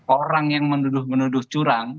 orang yang menuduh menuduh curang